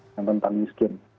yang rentan miskin